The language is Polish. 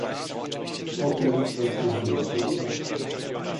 "Potem oskarżyła królową."